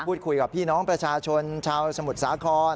กับพี่น้องประชาชนชาวสมุทรสาคร